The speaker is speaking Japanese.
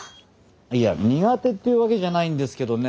いや苦手っていうわけじゃないんですけどね